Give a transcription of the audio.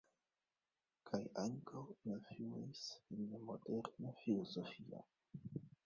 Kaj ankaŭ influis en la moderna filozofio.